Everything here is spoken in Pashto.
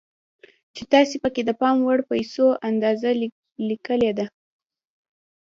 چې تاسې پکې د پام وړ پيسو اندازه ليکلې ده.